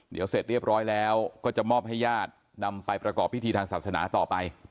เดี๋ยวเสร็จเรียบร้อยแล้วก็จะมอบให้ญาตินำไปประกอบพิธีทางศาสนาต่อไป